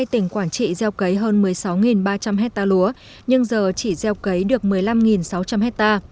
tỉnh quảng trị gieo cấy hơn một mươi sáu ba trăm linh hectare lúa nhưng giờ chỉ gieo cấy được một mươi năm sáu trăm linh hectare